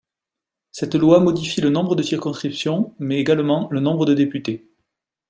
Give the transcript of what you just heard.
Cette loi modifie le nombre de circonscriptions mais également le nombre de députés.